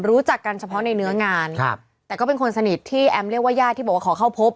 รู้จักกันเฉพาะในเนื้องานครับแต่ก็เป็นคนสนิทที่แอมเรียกว่าญาติที่บอกว่าขอเข้าพบ